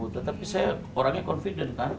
tetapi saya orangnya confident kan